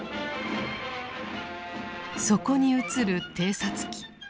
そこに映る偵察機。